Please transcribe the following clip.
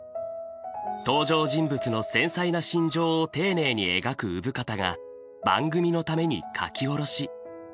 登場人物の繊細な心情を丁寧に描く生方が番組のために書き下ろし。